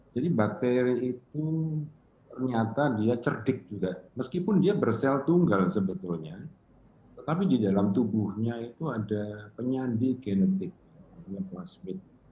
jadi bakteri itu ternyata dia cerdik juga meskipun dia bersel tunggal sebetulnya tetapi di dalam tubuhnya itu ada penyandi genetik namanya plasmid